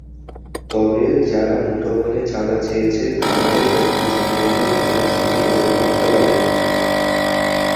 তবে, যারা মুঠোফোনে চাঁদা চেয়েছে, তারাই অগ্নিসংযোগের ঘটনার সঙ্গে জড়িত থাকতে পারে।